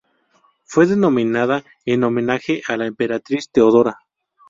Fue denominada en homenaje a la emperatriz Teodora.